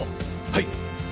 はい！